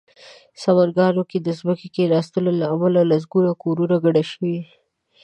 سمنګانو کې د ځمکې کېناستو له امله لسګونه کورنۍ کډه شوې